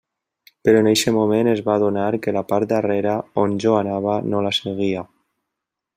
Però en eixe moment es va adonar que la part darrera, on jo anava, no la seguia.